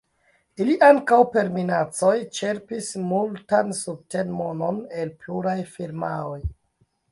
Ili ankaŭ per minacoj ĉerpis multan subten-monon el pluraj firmaoj.